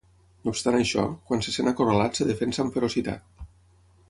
No obstant això, quan se sent acorralat es defensa amb ferocitat.